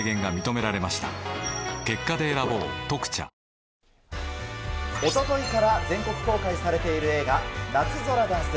ぷっ事実「特茶」おとといから全国公開されている映画、夏空ダンス。